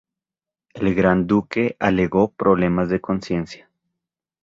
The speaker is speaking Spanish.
El Gran Duque alegó problemas de conciencia.